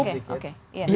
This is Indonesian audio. boleh saya tambahkan sedikit